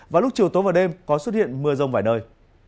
và lúc chiều tối và đêm có xuất hiện mưa rông vải đơi